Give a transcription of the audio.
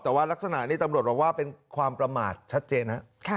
แต่ว่ารักษณะนี้ตำรวจบอกว่าเป็นความประมาทชัดเจนฮะ